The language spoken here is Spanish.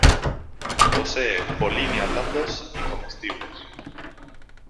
Posee polinia blandos y comestibles.